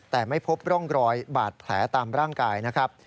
แต่ไม่พบร่องรอยบาดแผลตามร่างกายนะครับ